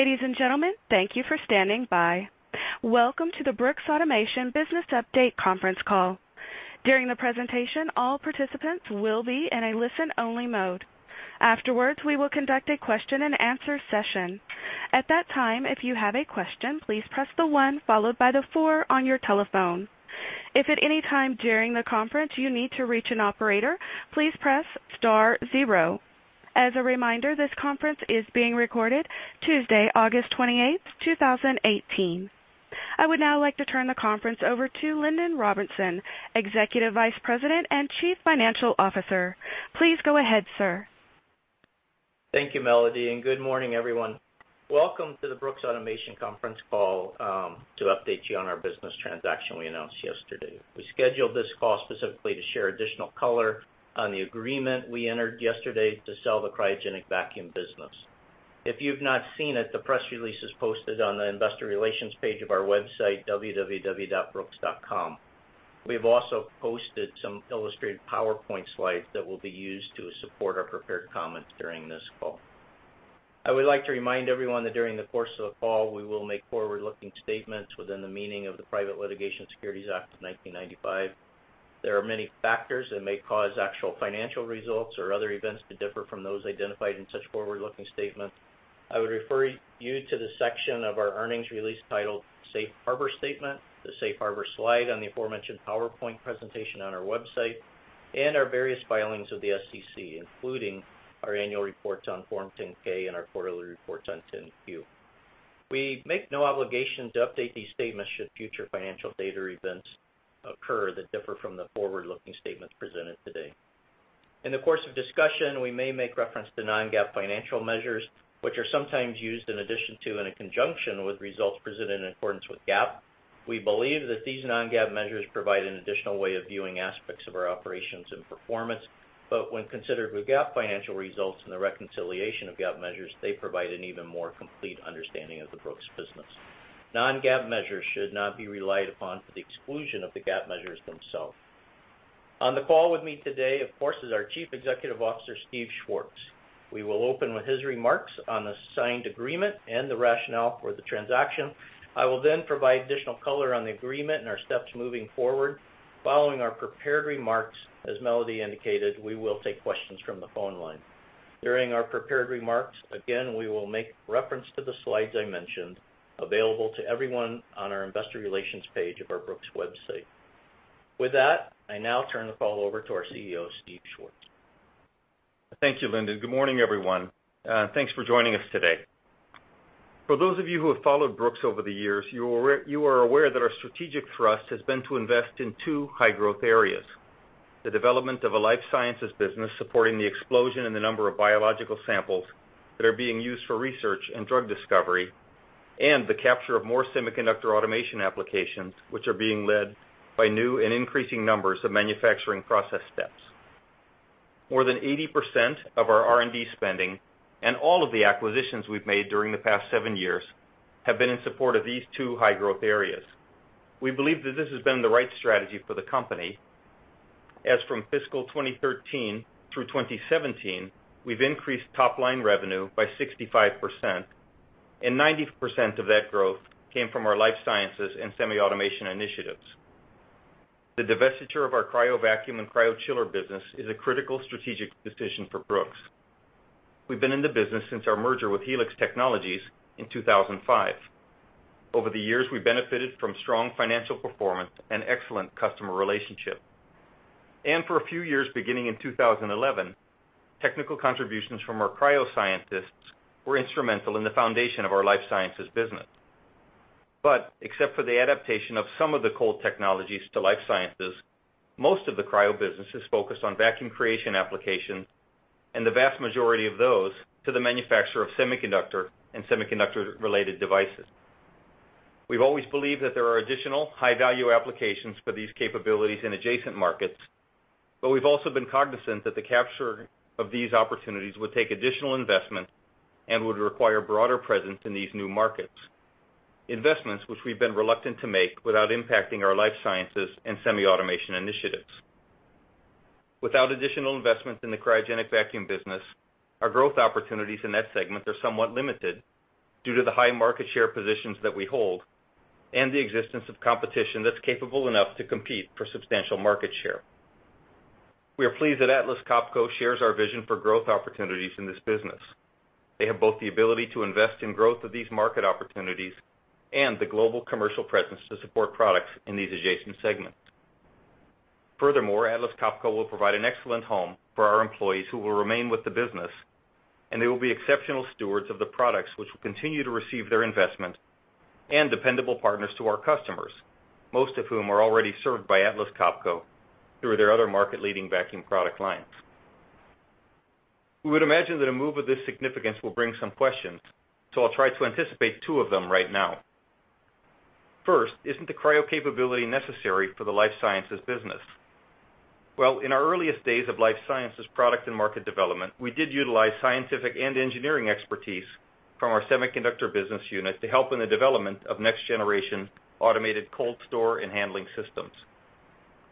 Ladies and gentlemen, thank you for standing by. Welcome to the Brooks Automation Business Update conference call. During the presentation, all participants will be in a listen-only mode. Afterwards, we will conduct a question and answer session. At that time, if you have a question, please press the one followed by the four on your telephone. If at any time during the conference you need to reach an operator, please press star zero. As a reminder, this conference is being recorded Tuesday, August 28th, 2018. I would now like to turn the conference over to Lindy Robinson, Executive Vice President and Chief Financial Officer. Please go ahead, sir. Thank you, Melody. Good morning, everyone. Welcome to the Brooks Automation conference call to update you on our business transaction we announced yesterday. We scheduled this call specifically to share additional color on the agreement we entered yesterday to sell the cryogenic vacuum business. If you've not seen it, the press release is posted on the investor relations page of our website, www.brooks.com. We have also posted some illustrated PowerPoint slides that will be used to support our prepared comments during this call. I would like to remind everyone that during the course of the call, we will make forward-looking statements within the meaning of the Private Securities Litigation Reform Act of 1995. There are many factors that may cause actual financial results or other events to differ from those identified in such forward-looking statements. I would refer you to the section of our earnings release titled Safe Harbor Statement, the Safe Harbor slide on the aforementioned PowerPoint presentation on our website, our various filings with the SEC, including our annual reports on Form 10-K and our quarterly reports on 10-Q. We make no obligation to update these statements should future financial data events occur that differ from the forward-looking statements presented today. In the course of discussion, we may make reference to non-GAAP financial measures, which are sometimes used in addition to and in conjunction with results presented in accordance with GAAP. We believe that these non-GAAP measures provide an additional way of viewing aspects of our operations and performance. When considered with GAAP financial results and the reconciliation of GAAP measures, they provide an even more complete understanding of the Brooks business. Non-GAAP measures should not be relied upon for the exclusion of the GAAP measures themselves. On the call with me today, of course, is our Chief Executive Officer, Stephen Schwartz. We will open with his remarks on the signed agreement and the rationale for the transaction. I will then provide additional color on the agreement and our steps moving forward. Following our prepared remarks, as Melody indicated, we will take questions from the phone line. During our prepared remarks, again, we will make reference to the slides I mentioned, available to everyone on our investor relations page of our Brooks website. With that, I now turn the call over to our CEO, Stephen Schwartz. Thank you, Lindy. Good morning, everyone. Thanks for joining us today. For those of you who have followed Brooks over the years, you are aware that our strategic thrust has been to invest in two high-growth areas, the development of a life sciences business supporting the explosion in the number of biological samples that are being used for research and drug discovery, and the capture of more semiconductor automation applications, which are being led by new and increasing numbers of manufacturing process steps. More than 80% of our R&D spending and all of the acquisitions we've made during the past 7 years have been in support of these two high-growth areas. We believe that this has been the right strategy for the company, as from fiscal 2013 through 2017, we've increased top-line revenue by 65%, and 90% of that growth came from our life sciences and semi-automation initiatives. The divestiture of our cryo vacuum and cryo chiller business is a critical strategic decision for Brooks. We've been in the business since our merger with Helix Technology Corp. in 2005. Over the years, we benefited from strong financial performance and excellent customer relationship. For a few years, beginning in 2011, technical contributions from our cryo scientists were instrumental in the foundation of our life sciences business. Except for the adaptation of some of the cold technologies to life sciences, most of the cryo business is focused on vacuum creation applications, and the vast majority of those to the manufacture of semiconductor and semiconductor-related devices. We've always believed that there are additional high-value applications for these capabilities in adjacent markets, we've also been cognizant that the capture of these opportunities would take additional investment and would require broader presence in these new markets, investments which we've been reluctant to make without impacting our life sciences and semi-automation initiatives. Without additional investment in the cryogenic vacuum business, our growth opportunities in that segment are somewhat limited due to the high market share positions that we hold and the existence of competition that's capable enough to compete for substantial market share. We are pleased that Atlas Copco shares our vision for growth opportunities in this business. They have both the ability to invest in growth of these market opportunities and the global commercial presence to support products in these adjacent segments. Furthermore, Atlas Copco will provide an excellent home for our employees who will remain with the business, they will be exceptional stewards of the products, which will continue to receive their investment and dependable partners to our customers, most of whom are already served by Atlas Copco through their other market-leading vacuum product lines. We would imagine that a move of this significance will bring some questions, I'll try to anticipate 2 of them right now. First, isn't the cryo capability necessary for the life sciences business? Well, in our earliest days of life sciences product and market development, we did utilize scientific and engineering expertise from our semiconductor business unit to help in the development of next-generation automated cold store and handling systems.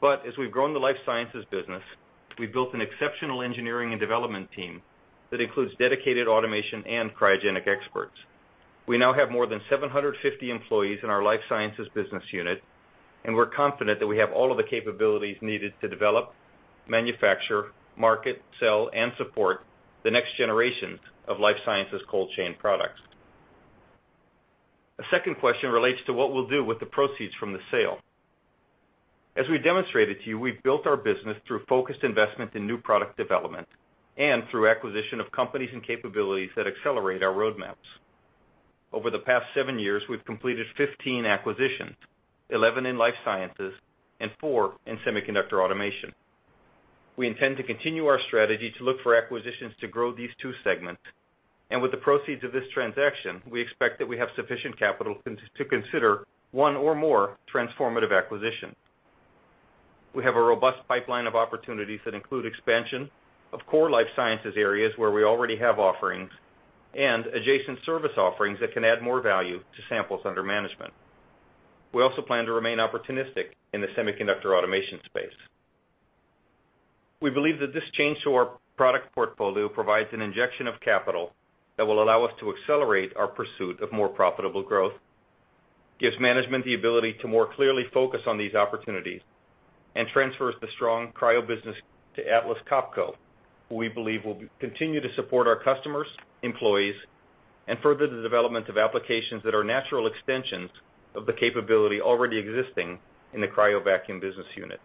As we've grown the life sciences business, we've built an exceptional engineering and development team that includes dedicated automation and cryogenic experts. We now have more than 750 employees in our life sciences business unit, and we're confident that we have all of the capabilities needed to develop, manufacture, market, sell, and support the next generations of life sciences cold chain products. A second question relates to what we'll do with the proceeds from the sale. As we demonstrated to you, we've built our business through focused investment in new product development and through acquisition of companies and capabilities that accelerate our roadmaps. Over the past seven years, we've completed 15 acquisitions, 11 in life sciences and four in semiconductor automation. We intend to continue our strategy to look for acquisitions to grow these two segments, and with the proceeds of this transaction, we expect that we have sufficient capital to consider one or more transformative acquisitions. We have a robust pipeline of opportunities that include expansion of core life sciences areas where we already have offerings, and adjacent service offerings that can add more value to samples under management. We also plan to remain opportunistic in the semiconductor automation space. We believe that this change to our product portfolio provides an injection of capital that will allow us to accelerate our pursuit of more profitable growth, gives management the ability to more clearly focus on these opportunities, and transfers the strong cryo business to Atlas Copco, who we believe will continue to support our customers, employees, and further the development of applications that are natural extensions of the capability already existing in the cryo vacuum business unit.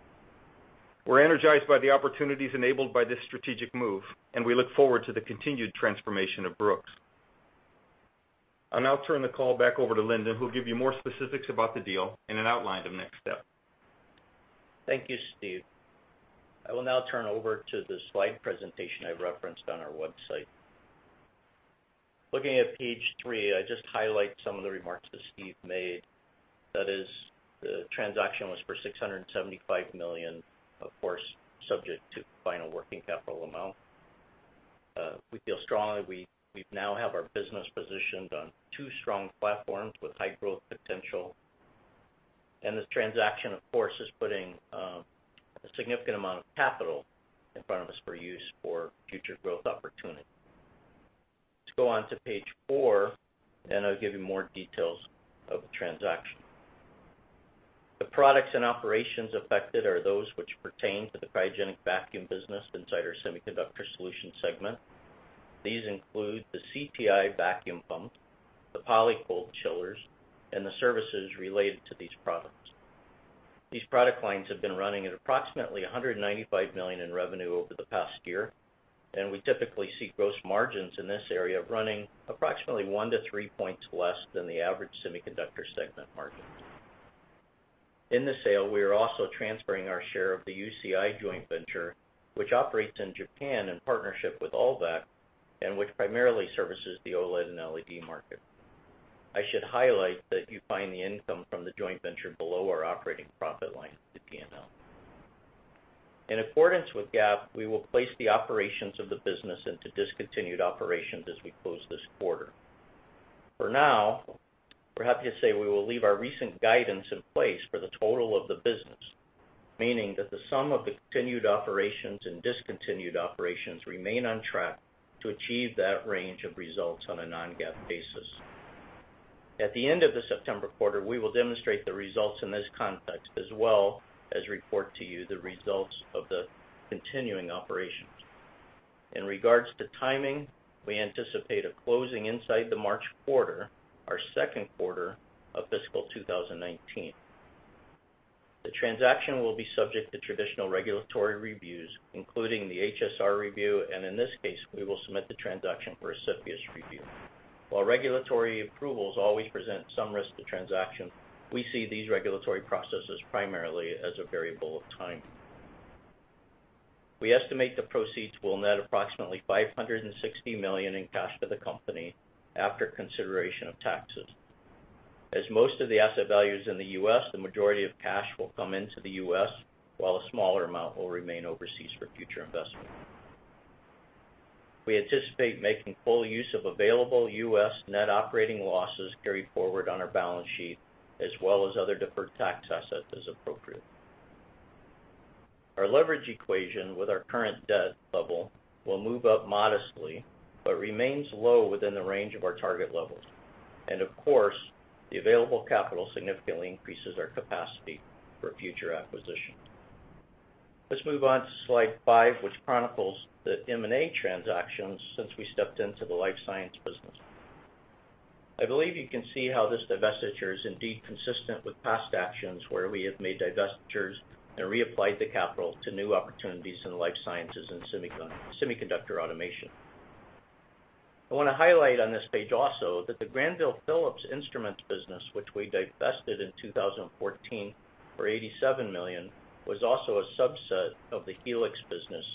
We're energized by the opportunities enabled by this strategic move, and we look forward to the continued transformation of Brooks. I'll now turn the call back over to Lindy, who will give you more specifics about the deal and an outline of next steps. Thank you, Stephen. I will now turn over to the slide presentation I referenced on our website. Looking at page three, I just highlight some of the remarks that Stephen made. That is, the transaction was for $675 million, of course, subject to final working capital amount. We feel strongly we now have our business positioned on two strong platforms with high growth potential. This transaction, of course, is putting a significant amount of capital in front of us for use for future growth opportunities. Let's go on to page four, and I'll give you more details of the transaction. The products and operations affected are those which pertain to the cryogenic vacuum business inside our semiconductor solutions segment. These include the CTI vacuum pump, the Polycold chillers, and the services related to these products. These product lines have been running at approximately $195 million in revenue over the past year, and we typically see gross margins in this area running approximately one to three points less than the average semiconductor segment margin. In the sale, we are also transferring our share of the UCI joint venture, which operates in Japan in partnership with Ulvac, and which primarily services the OLED and LED market. I should highlight that you find the income from the joint venture below our operating profit line in P&L. In accordance with GAAP, we will place the operations of the business into discontinued operations as we close this quarter. For now, we're happy to say we will leave our recent guidance in place for the total of the business, meaning that the sum of continued operations and discontinued operations remain on track to achieve that range of results on a non-GAAP basis. At the end of the September quarter, we will demonstrate the results in this context as well as report to you the results of the continuing operations. In regards to timing, we anticipate a closing inside the March quarter, our second quarter of fiscal 2019. The transaction will be subject to traditional regulatory reviews, including the HSR review. In this case, we will submit the transaction for CFIUS review. While regulatory approvals always present some risk to transactions, we see these regulatory processes primarily as a variable of time. We estimate the proceeds will net approximately $560 million in cash to the company after consideration of taxes. As most of the asset value is in the U.S., the majority of cash will come into the U.S., while a smaller amount will remain overseas for future investment. We anticipate making full use of available U.S. net operating losses carried forward on our balance sheet, as well as other deferred tax assets as appropriate. Our leverage equation with our current debt level will move up modestly, but remains low within the range of our target levels. Of course, the available capital significantly increases our capacity for future acquisitions. Let's move on to slide five, which chronicles the M&A transactions since we stepped into the life science business. I believe you can see how this divestiture is indeed consistent with past actions where we have made divestitures and reapplied the capital to new opportunities in life sciences and semiconductor automation. I want to highlight on this page also that the Granville-Phillips instruments business, which we divested in 2014 for $87 million, was also a subset of the Helix business,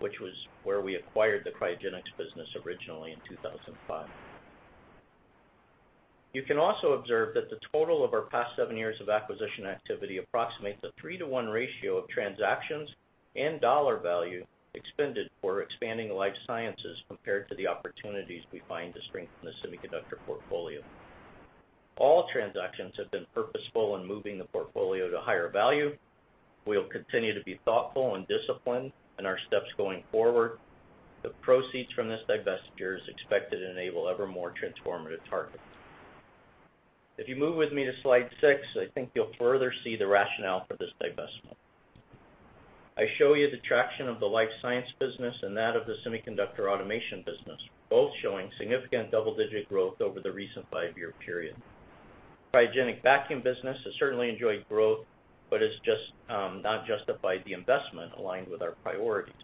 which was where we acquired the cryogenics business originally in 2005. You can also observe that the total of our past seven years of acquisition activity approximates a three-to-one ratio of transactions and dollar value expended for expanding life sciences compared to the opportunities we find to strengthen the semiconductor portfolio. All transactions have been purposeful in moving the portfolio to higher value. We'll continue to be thoughtful and disciplined in our steps going forward. The proceeds from this divestiture is expected to enable ever more transformative targets. If you move with me to slide six, I think you'll further see the rationale for this divestment. I show you the traction of the life science business and that of the semiconductor automation business, both showing significant double-digit growth over the recent five-year period. Cryogenic vacuum business has certainly enjoyed growth, but it's just not justified the investment aligned with our priorities.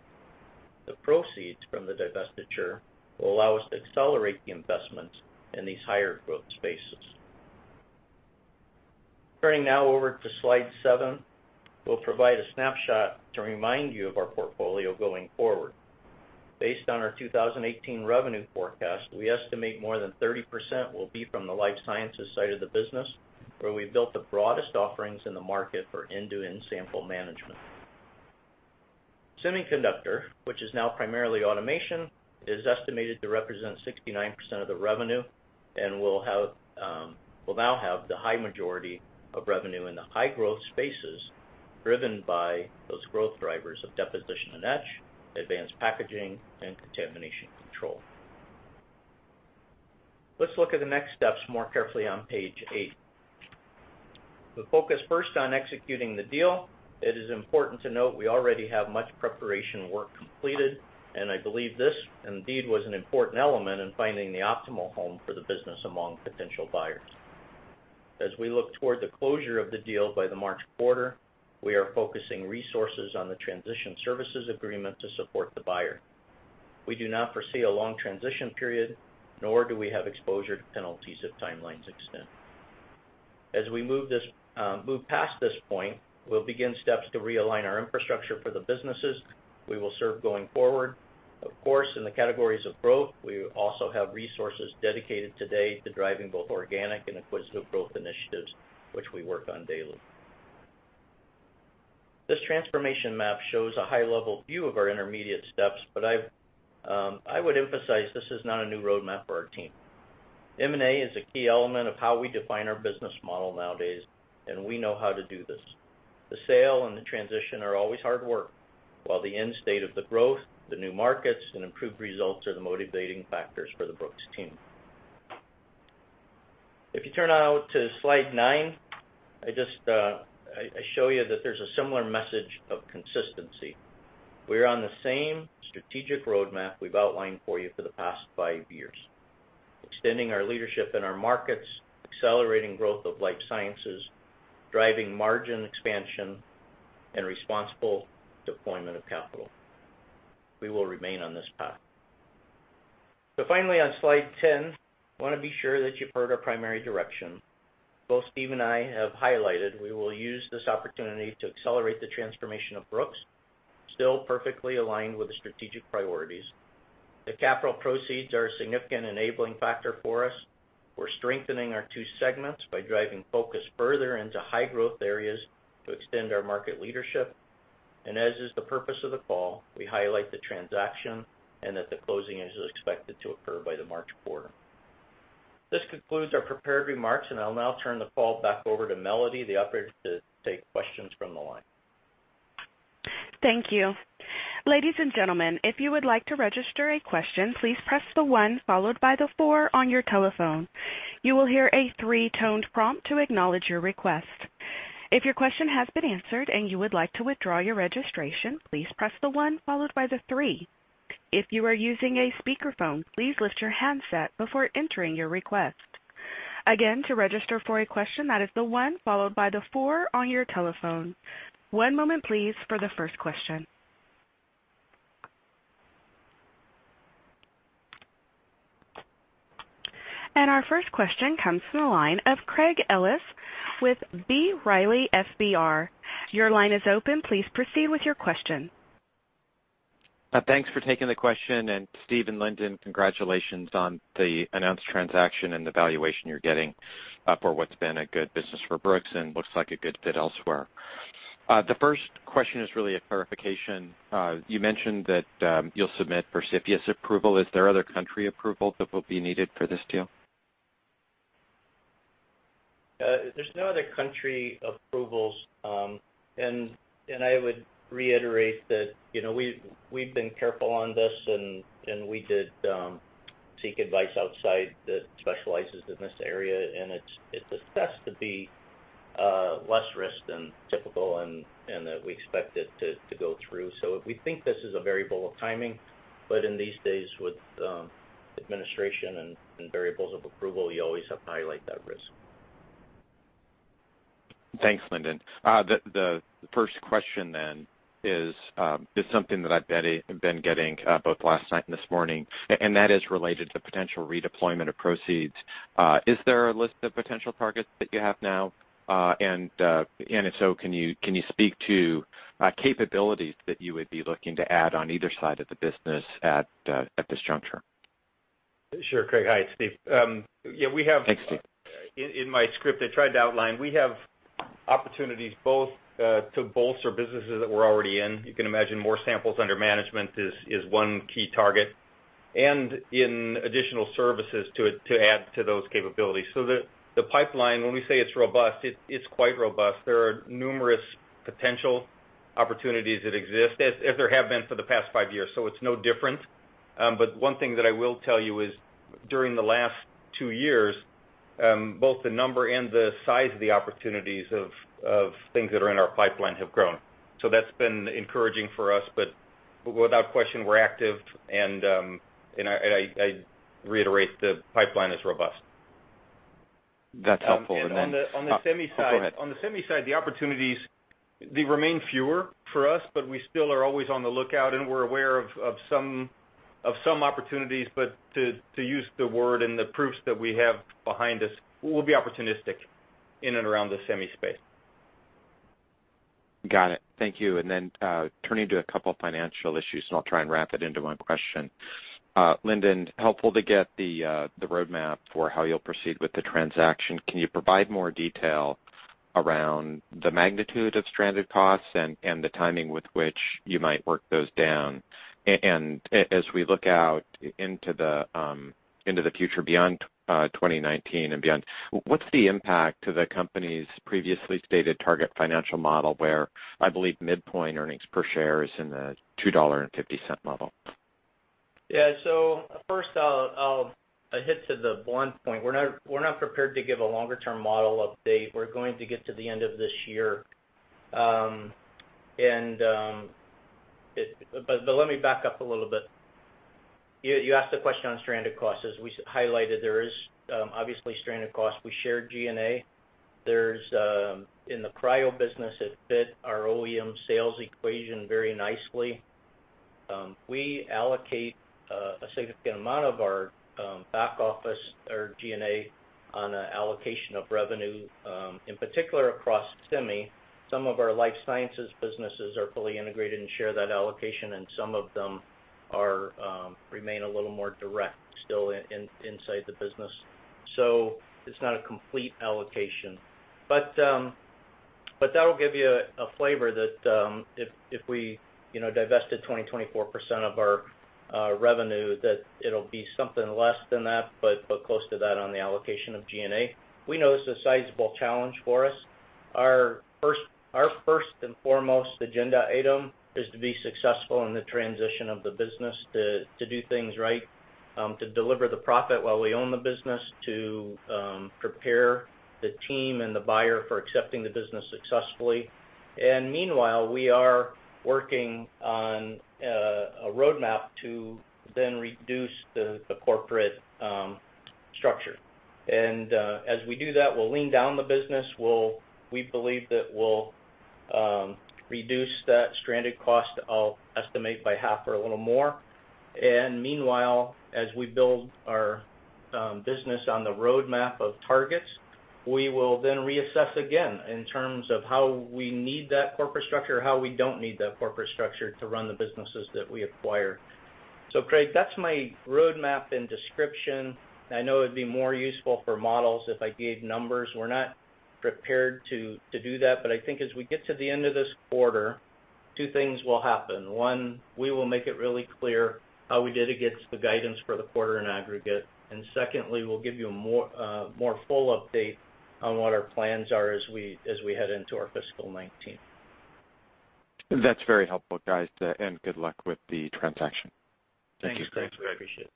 The proceeds from the divestiture will allow us to accelerate the investments in these higher growth spaces. Turning now over to slide seven, we'll provide a snapshot to remind you of our portfolio going forward. Based on our 2018 revenue forecast, we estimate more than 30% will be from the life sciences side of the business, where we've built the broadest offerings in the market for end-to-end sample management. Semiconductor, which is now primarily automation, is estimated to represent 69% of the revenue and will now have the high majority of revenue in the high growth spaces, driven by those growth drivers of deposition and etch, advanced packaging, and contamination control. Let's look at the next steps more carefully on page eight. We'll focus first on executing the deal. It is important to note we already have much preparation work completed, and I believe this, indeed, was an important element in finding the optimal home for the business among potential buyers. As we look toward the closure of the deal by the March quarter, we are focusing resources on the transition services agreement to support the buyer. We do not foresee a long transition period, nor do we have exposure to penalties if timelines extend. As we move past this point, we'll begin steps to realign our infrastructure for the businesses we will serve going forward. Of course, in the categories of growth, we also have resources dedicated today to driving both organic and acquisitive growth initiatives, which we work on daily. This transformation map shows a high-level view of our intermediate steps, but I would emphasize this is not a new roadmap for our team. M&A is a key element of how we define our business model nowadays, and we know how to do this. The sale and the transition are always hard work, while the end state of the growth, the new markets, and improved results are the motivating factors for the Brooks team. If you turn now to slide nine, I show you that there's a similar message of consistency. We're on the same strategic roadmap we've outlined for you for the past five years, extending our leadership in our markets, accelerating growth of life sciences, driving margin expansion, and responsible deployment of capital. Finally, on slide 10, I want to be sure that you've heard our primary direction. Both Steve and I have highlighted we will use this opportunity to accelerate the transformation of Brooks, still perfectly aligned with the strategic priorities. The capital proceeds are a significant enabling factor for us. We're strengthening our two segments by driving focus further into high growth areas to extend our market leadership. As is the purpose of the call, we highlight the transaction and that the closing is expected to occur by the March quarter. This concludes our prepared remarks. I'll now turn the call back over to Melody, the operator, to take questions from the line. Thank you. Ladies and gentlemen, if you would like to register a question, please press the one followed by the four on your telephone. You will hear a three-toned prompt to acknowledge your request. If your question has been answered and you would like to withdraw your registration, please press the one followed by the three. If you are using a speakerphone, please lift your handset before entering your request. Again, to register for a question, that is the one followed by the four on your telephone. One moment, please, for the first question. Our first question comes from the line of Craig Ellis with B. Riley FBR. Your line is open. Please proceed with your question. Thanks for taking the question. Stephen and Lindy, congratulations on the announced transaction and the valuation you're getting for what's been a good business for Brooks and looks like a good fit elsewhere. The first question is really a clarification. You mentioned that you'll submit for CFIUS approval. Is there other country approval that will be needed for this deal? There's no other country approvals. I would reiterate that we've been careful on this, and we did seek advice outside that specializes in this area, and it's assessed to be less risk than typical and that we expect it to go through. We think this is a variable of timing, but in these days with administration and variables of approval, you always have to highlight that risk. Thanks, Lindy. The first question is something that I've been getting both last night and this morning, that is related to potential redeployment of proceeds. Is there a list of potential targets that you have now? If so, can you speak to capabilities that you would be looking to add on either side of the business at this juncture? Sure, Craig. Hi, it's Steve. Thanks, Steve. In my script, I tried to outline, we have opportunities both to bolster businesses that we're already in. You can imagine more samples under management is one key target, and in additional services to add to those capabilities. The pipeline, when we say it's robust, it's quite robust. There are numerous potential opportunities that exist, as there have been for the past five years, it's no different. One thing that I will tell you is during the last two years, both the number and the size of the opportunities of things that are in our pipeline have grown. That's been encouraging for us. Without question, we're active, and I reiterate, the pipeline is robust. That's helpful. On the semi side. Go ahead. On the semi side, the opportunities, they remain fewer for us, but we still are always on the lookout, and we're aware of some opportunities. To use the word and the proofs that we have behind us, we'll be opportunistic in and around the semi space. Got it. Thank you. Then, turning to a couple financial issues, I'll try and wrap it into one question. Lindy, helpful to get the roadmap for how you'll proceed with the transaction. Can you provide more detail around the magnitude of stranded costs and the timing with which you might work those down? As we look out into the future beyond 2019 and beyond, what's the impact to the company's previously stated target financial model, where I believe midpoint earnings per share is in the $2.50 level? First, I'll hit to the blunt point. We're not prepared to give a longer-term model update. We're going to get to the end of this year. Let me back up a little bit. You asked the question on stranded costs. As we highlighted, there is obviously stranded costs. We share G&A. In the cryo business, it fit our OEM sales equation very nicely. We allocate a significant amount of our back office, our G&A, on an allocation of revenue, in particular across semi. Some of our life sciences businesses are fully integrated and share that allocation, some of them remain a little more direct still inside the business. It's not a complete allocation. That'll give you a flavor that if we divested 20, 24% of our revenue, that it'll be something less than that, but close to that on the allocation of G&A. We know it's a sizable challenge for us. Our first and foremost agenda item is to be successful in the transition of the business to do things right, to deliver the profit while we own the business, to prepare the team and the buyer for accepting the business successfully. Meanwhile, we are working on a roadmap to then reduce the corporate structure. As we do that, we'll lean down the business. We believe that we'll reduce that stranded cost, I'll estimate, by half or a little more. Meanwhile, as we build our business on the roadmap of targets, we will then reassess again in terms of how we need that corporate structure, how we don't need that corporate structure to run the businesses that we acquire. Craig, that's my roadmap and description. I know it'd be more useful for models if I gave numbers. We're not prepared to do that. I think as we get to the end of this quarter, two things will happen. One, we will make it really clear how we did against the guidance for the quarter in aggregate. Secondly, we'll give you a more full update on what our plans are as we head into our fiscal 2019. That's very helpful, guys. Good luck with the transaction. Thank you, Craig. Thanks, Craig. We appreciate it.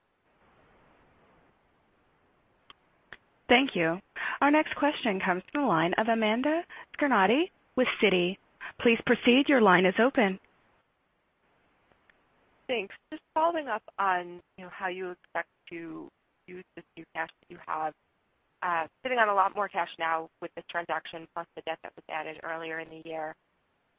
Thank you. Our next question comes from the line of Amanda Scarnati with Citi. Please proceed. Your line is open. Thanks. Just following up on how you expect to use this new cash that you have. Sitting on a lot more cash now with this transaction, plus the debt that was added earlier in the year,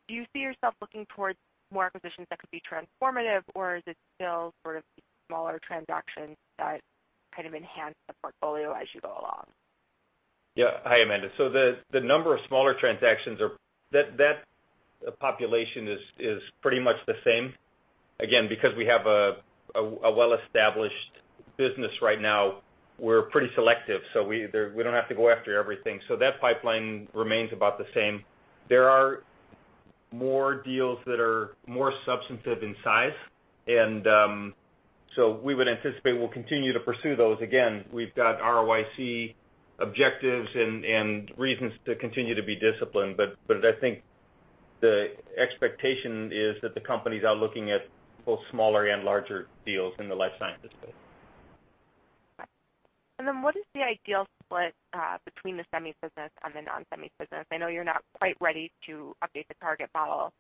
do you see yourself looking towards more acquisitions that could be transformative, or is it still sort of smaller transactions that kind of enhance the portfolio as you go along? Yeah. Hi, Amanda. The number of smaller transactions, that population is pretty much the same. Again, because we have a well-established business right now, we're pretty selective, so we don't have to go after everything. That pipeline remains about the same. There are more deals that are more substantive in size, we would anticipate we'll continue to pursue those. Again, we've got ROIC objectives and reasons to continue to be disciplined. I think the expectation is that the company's out looking at both smaller and larger deals in the life sciences space. What is the ideal split between the semi business and the non-semi business? I know you're not quite ready to update the target model,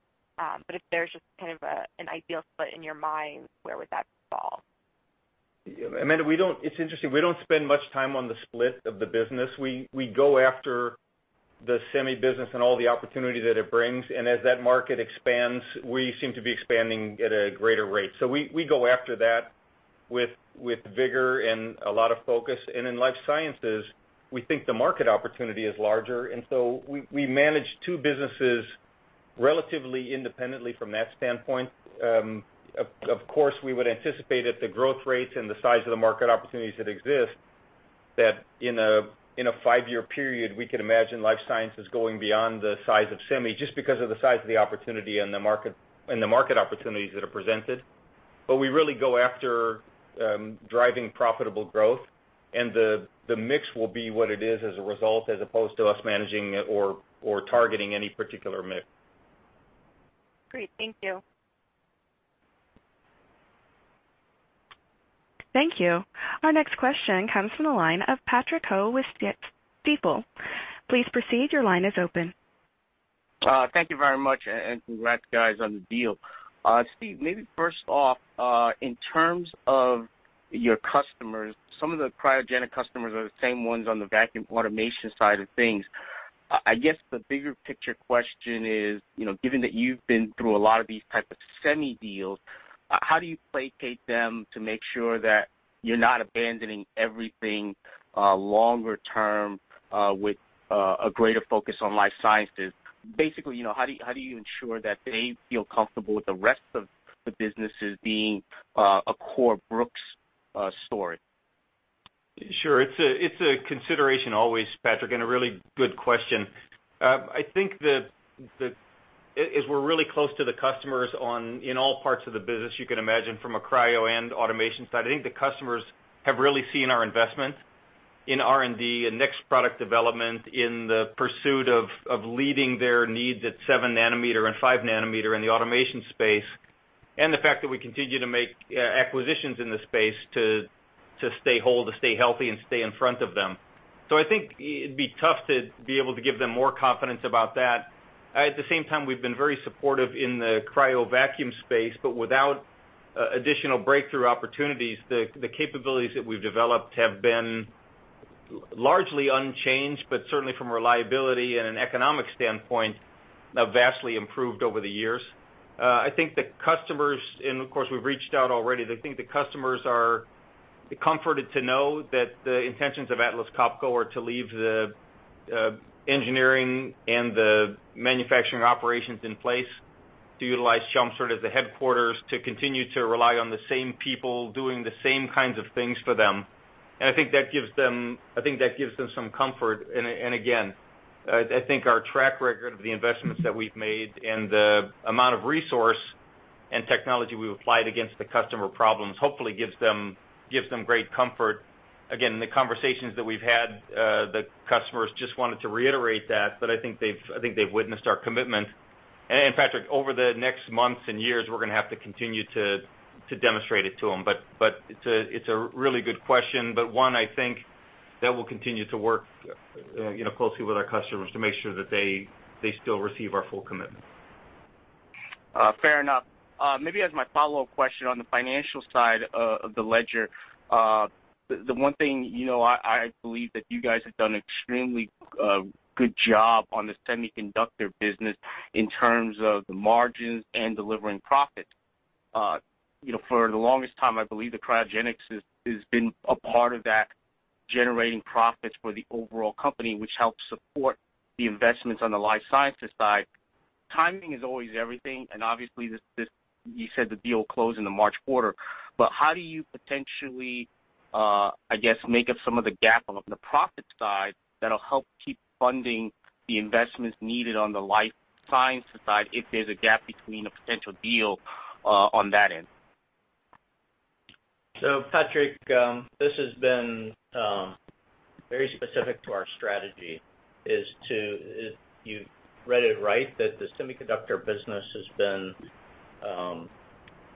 if there's just kind of an ideal split in your mind, where would that fall? Amanda, it's interesting, we don't spend much time on the split of the business. We go after the semi business and all the opportunity that it brings. As that market expands, we seem to be expanding at a greater rate. We go after that with vigor and a lot of focus. In life sciences, we think the market opportunity is larger. We manage two businesses Relatively independently from that standpoint, of course, we would anticipate that the growth rates and the size of the market opportunities that exist, that in a five-year period, we could imagine life sciences going beyond the size of semi, just because of the size of the opportunity and the market opportunities that are presented. We really go after driving profitable growth, and the mix will be what it is as a result, as opposed to us managing or targeting any particular mix. Great. Thank you. Thank you. Our next question comes from the line of Patrick Ho with Stifel. Please proceed. Your line is open. Thank you very much, and congrats, guys, on the deal. Steve, maybe first off, in terms of your customers, some of the cryogenic customers are the same ones on the vacuum automation side of things. I guess the bigger picture question is, given that you've been through a lot of these type of semi deals, how do you placate them to make sure that you're not abandoning everything longer term, with a greater focus on life sciences? Basically, how do you ensure that they feel comfortable with the rest of the businesses being a core Brooks story? Sure. It's a consideration always, Patrick, and a really good question. I think that as we're really close to the customers in all parts of the business, you can imagine from a cryo and automation side, I think the customers have really seen our investment in R&D and next product development in the pursuit of leading their needs at 7 nanometer and 5 nanometer in the automation space. The fact that we continue to make acquisitions in the space to stay whole, to stay healthy, and stay in front of them. I think it'd be tough to be able to give them more confidence about that. At the same time, we've been very supportive in the cryo vacuum space, but without additional breakthrough opportunities, the capabilities that we've developed have been largely unchanged, but certainly from reliability and an economic standpoint, have vastly improved over the years. I think the customers, and of course, we've reached out already, I think the customers are comforted to know that the intentions of Atlas Copco are to leave the engineering and the manufacturing operations in place to utilize Chelmsford as the headquarters to continue to rely on the same people doing the same kinds of things for them. I think that gives them some comfort. Again, I think our track record of the investments that we've made and the amount of resource and technology we've applied against the customer problems hopefully gives them great comfort. Again, in the conversations that we've had, the customers just wanted to reiterate that, but I think they've witnessed our commitment. Patrick, over the next months and years, we're going to have to continue to demonstrate it to them. It's a really good question, but one I think that we'll continue to work closely with our customers to make sure that they still receive our full commitment. Fair enough. Maybe as my follow-up question on the financial side of the ledger, the one thing I believe that you guys have done extremely good job on the semiconductor business in terms of the margins and delivering profit. For the longest time, I believe the cryogenics has been a part of that, generating profits for the overall company, which helps support the investments on the life sciences side. Timing is always everything, and obviously, you said the deal closed in the March quarter, but how do you potentially, I guess, make up some of the gap on the profit side that'll help keep funding the investments needed on the life sciences side if there's a gap between a potential deal on that end? Patrick, this has been very specific to our strategy, is you've read it right, that the semiconductor business has been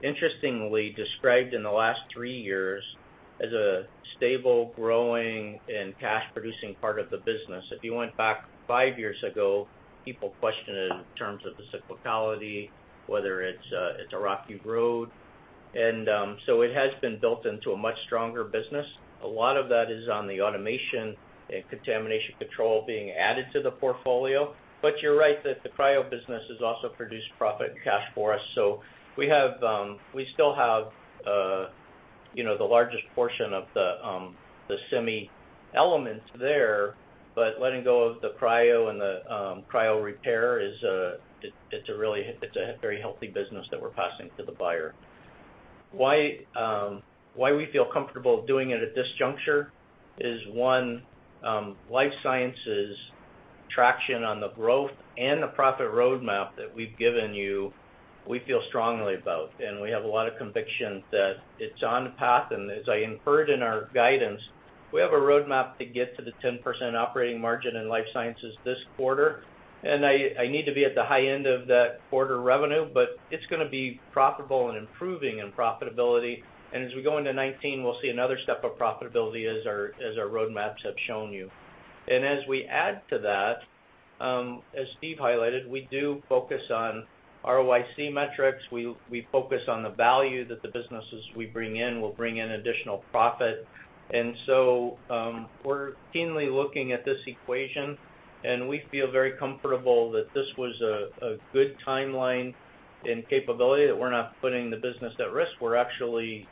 interestingly described in the last 3 years as a stable, growing, and cash-producing part of the business. If you went back 5 years ago, people questioned it in terms of the cyclicality, whether it's a rocky road. It has been built into a much stronger business. A lot of that is on the automation and contamination control being added to the portfolio. You're right, that the cryo business has also produced profit and cash for us. We still have the largest portion of the semi elements there, but letting go of the cryo and the cryo repair, it's a very healthy business that we're passing to the buyer. Why we feel comfortable doing it at this juncture is, one, life sciences traction on the growth and the profit roadmap that we've given you, we feel strongly about, and we have a lot of conviction that it's on path. As I inferred in our guidance, we have a roadmap to get to the 10% operating margin in life sciences this quarter. I need to be at the high end of that quarter revenue, but it's going to be profitable and improving in profitability. As we go into 2019, we'll see another step of profitability as our roadmaps have shown you. As we add to that, as Steve highlighted, we do focus on ROIC metrics. We focus on the value that the businesses we bring in will bring in additional profit. We're keenly looking at this equation, and we feel very comfortable that this was a good timeline and capability, that we're not putting the business at risk. We're actually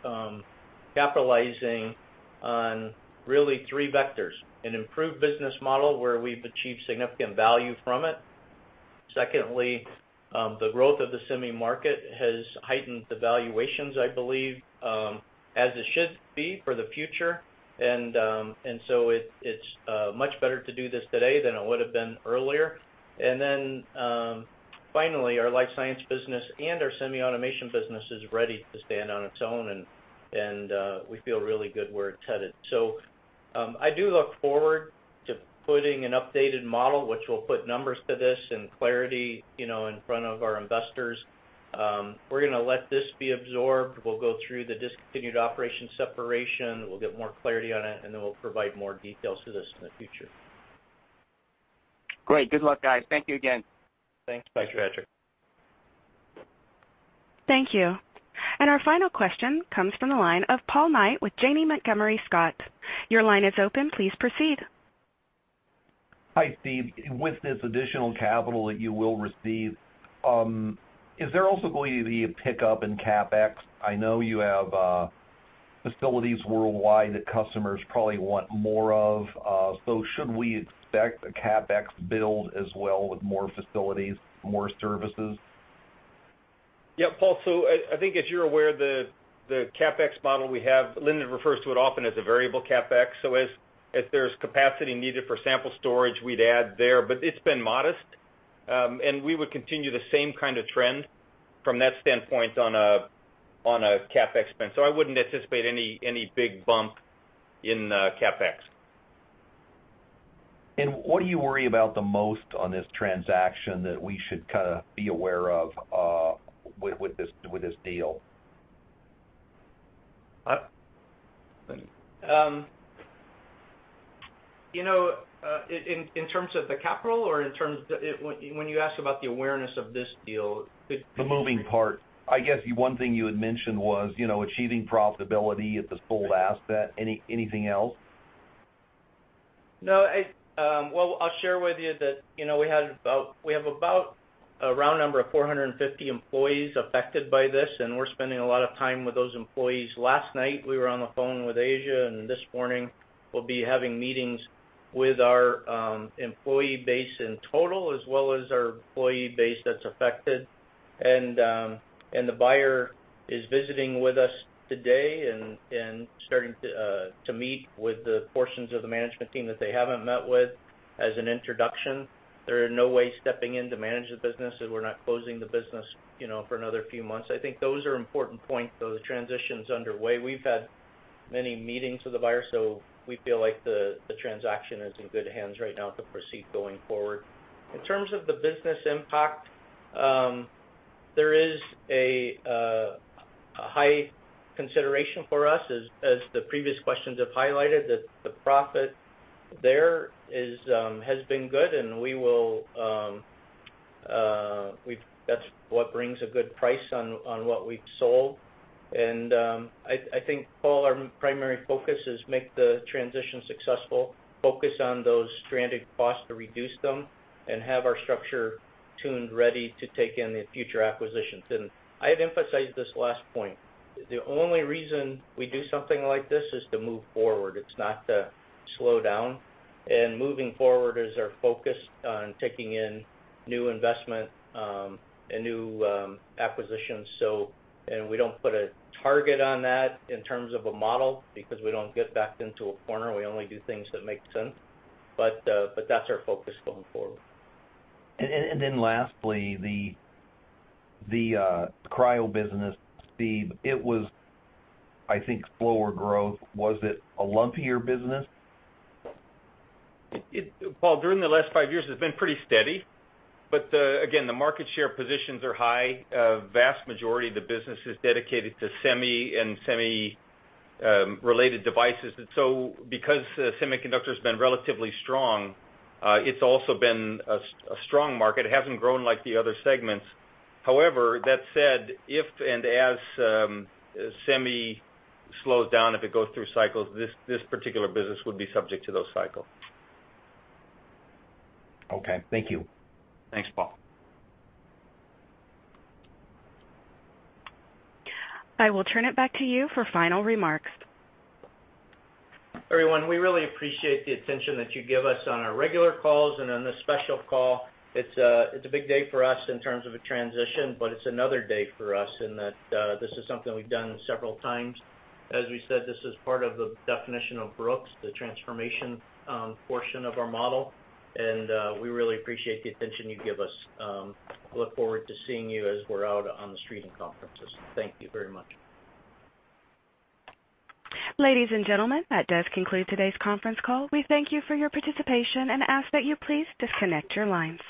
capitalizing On really 3 vectors: an improved business model where we've achieved significant value from it. Secondly, the growth of the semi market has heightened the valuations, I believe, as it should be for the future. It's much better to do this today than it would have been earlier. Finally, our life sciences business and our semi-automation business is ready to stand on its own, and we feel really good where it's headed. I do look forward to putting an updated model, which will put numbers to this and clarity in front of our investors. We're going to let this be absorbed. We'll go through the discontinued operation separation, we'll get more clarity on it, we'll provide more details to this in the future. Great. Good luck, guys. Thank you again. Thanks. Bye, Patrick. Thank you. Our final question comes from the line of Paul Knight with Janney Montgomery Scott. Your line is open. Please proceed. Hi, Steve. With this additional capital that you will receive, is there also going to be a pickup in CapEx? I know you have facilities worldwide that customers probably want more of. Should we expect a CapEx build as well with more facilities, more services? Yeah. Paul, I think as you're aware, the CapEx model we have, Lindy refers to it often as a variable CapEx. As there's capacity needed for sample storage, we'd add there, but it's been modest. We would continue the same kind of trend from that standpoint on a CapEx spend. I wouldn't anticipate any big bump in CapEx. What do you worry about the most on this transaction that we should be aware of with this deal? In terms of the capital or when you ask about the awareness of this deal? The moving part. I guess, one thing you had mentioned was achieving profitability at the full asset. Anything else? No. Well, I'll share with you that we have about a round number of 450 employees affected by this, and we're spending a lot of time with those employees. Last night, we were on the phone with Asia, and this morning, we'll be having meetings with our employee base in total, as well as our employee base that's affected. The buyer is visiting with us today and starting to meet with the portions of the management team that they haven't met with as an introduction. They're in no way stepping in to manage the business, as we're not closing the business for another few months. I think those are important points, though. The transition's underway. We've had many meetings with the buyer, so we feel like the transaction is in good hands right now to proceed going forward. In terms of the business impact, there is a high consideration for us, as the previous questions have highlighted, that the profit there has been good, and that's what brings a good price on what we've sold. I think, Paul, our primary focus is make the transition successful, focus on those stranded costs to reduce them, and have our structure tuned ready to take in the future acquisitions. I'd emphasize this last point. The only reason we do something like this is to move forward. It's not to slow down. Moving forward is our focus on taking in new investment and new acquisitions. We don't put a target on that in terms of a model because we don't get backed into a corner. We only do things that make sense. That's our focus going forward. Lastly, the cryo business, Steve, it was, I think, slower growth. Was it a lumpier business? Paul, during the last five years, it's been pretty steady, but again, the market share positions are high. A vast majority of the business is dedicated to semi and semi-related devices. Because semiconductor's been relatively strong, it's also been a strong market. It hasn't grown like the other segments. However, that said, if and as semi slows down, if it goes through cycles, this particular business would be subject to those cycles. Okay. Thank you. Thanks, Paul. I will turn it back to you for final remarks. Everyone, we really appreciate the attention that you give us on our regular calls and on this special call. It's a big day for us in terms of a transition, but it's another day for us in that this is something we've done several times. As we said, this is part of the definition of Brooks, the transformation portion of our model, and we really appreciate the attention you give us. Look forward to seeing you as we're out on the street in conferences. Thank you very much. Ladies and gentlemen, that does conclude today's conference call. We thank you for your participation and ask that you please disconnect your lines.